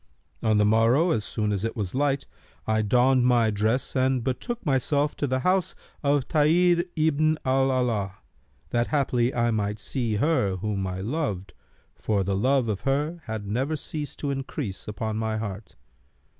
On the morrow, as soon as it was light, I donned my dress and betook myself to the house of Tahir ibn al Alaa, that haply I might see her whom I loved, for the love of her had never ceased to increase upon my heart.